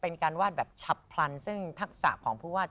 เป็นการวาดแบบฉับพลันซึ่งทักษะของผู้วาด